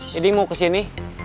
jadi mau kesini